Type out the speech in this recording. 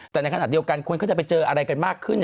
แต่ในขณะเดียวกันคนก็จะไปเจออะไรกันมากขึ้น